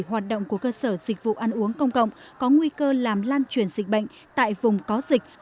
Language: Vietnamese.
hoạt động của cơ sở dịch vụ ăn uống công cộng có nguy cơ làm lan truyền dịch bệnh tại vùng có dịch